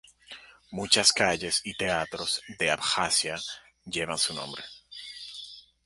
Muchas calles y teatros de Abjasia llevan su nombre.